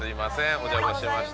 お邪魔しました